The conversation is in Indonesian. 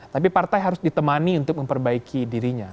tapi partai harus ditemani untuk memperbaiki dirinya